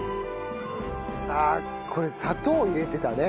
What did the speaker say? あこれ砂糖入れてたね。